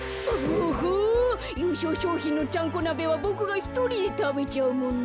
おほゆうしょうしょうひんのちゃんこなべはボクがひとりでたべちゃうもんね。